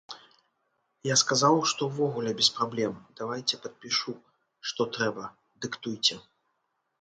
Я сказаў, што ўвогуле без праблем, давайце, падпішу, што трэба, дыктуйце.